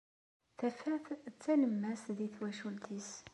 Tafat d talemmast di twacult-is.